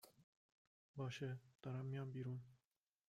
باشه ، دارم میام بیرون